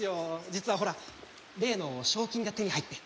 実はほら例の賞金が手に入って。